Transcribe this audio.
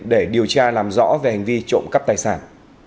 để điều tra làm rõ về hành vi trộm cắp tài sản